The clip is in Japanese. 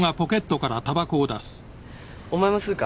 お前も吸うか？